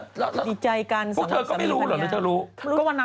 ดีใจกันสนับสนุนกัน